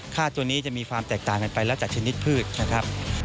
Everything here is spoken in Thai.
ตัวนี้จะมีความแตกต่างกันไปแล้วจากชนิดพืชนะครับ